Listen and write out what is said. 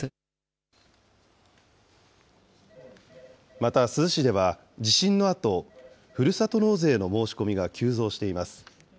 また、珠洲市では、地震のあと、ふるさと納税の申し込みが急増しています。